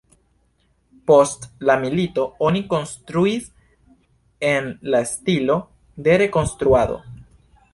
Post la milito oni konstruis en la stilo de rekonstruado.